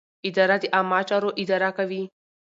اداره د عامه چارو اداره کوي.